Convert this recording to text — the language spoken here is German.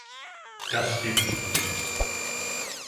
Das geht natürlich nicht.